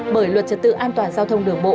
bởi luật trật tự an toàn giao thông đường bộ